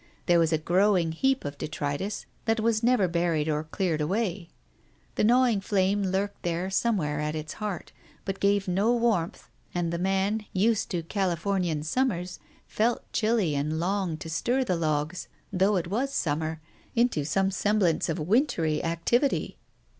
There was a growing heap of detritus that was never buried or cleared away. The gnawing flame lurked there somewhere at its heart, but gave no warmth, and the man, used to Californian summers, felt chilly and longed to stir the logs, though it was summer, into some sem blance of wintry activity.